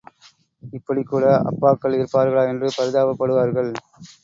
இப்படிக்கூட அப்பாக்கள் இருப்பார்களா என்று பரிதாபப்படுவார்கள்.